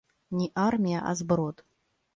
Не армія, а зброд.